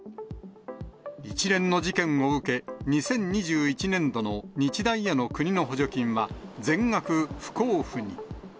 一連の事件を受け、２０２１年度の日大への国の補助金は全額不交付に。